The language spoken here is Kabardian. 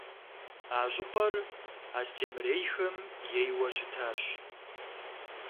А щӏыпӏэр Астемырейхэм ейуэ щытащ.